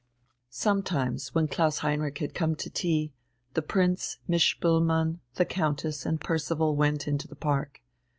Sometimes, when Klaus Heinrich had come to tea, the Prince, Miss Spoelmann, the Countess, and Percival went into the park.